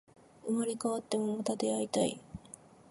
生まれ変わっても、また出会いたい